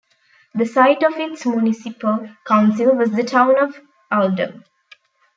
The site of its municipal council was the town of Uldum.